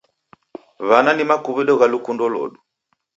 W'ana ni makuw'ido gha lukundo lodu.